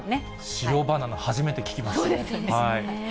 塩バナナ、初めて聞きました。